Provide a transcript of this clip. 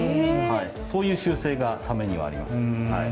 そういう習性がサメにはあります。